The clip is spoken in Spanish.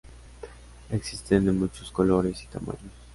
Existen de muchos colores y tamaños.